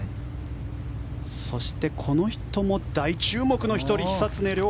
そしてこの人も大注目の１人、久常涼。